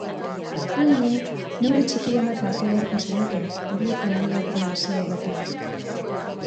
Halere, neurri txikiren bat hartu beharko zenuke horietan nabigatzen hasi aurretik.